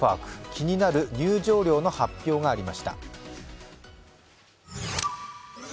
気になる入場料の発表がありました。